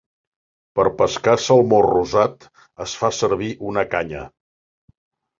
Per pescar salmó rosat es fa servir una canya.